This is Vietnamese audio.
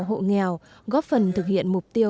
hộ nghèo góp phần thực hiện mục tiêu